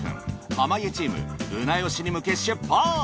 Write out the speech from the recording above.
濱家チームうなよしに向け出発。